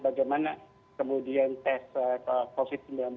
bagaimana kemudian tes covid sembilan belas